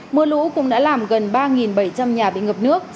mưa lũ cũng đã làm gần ba bảy trăm linh nhà bị ngập nước